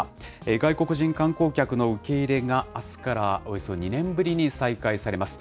外国人観光客の受け入れがあすからおよそ２年ぶりに再開されます。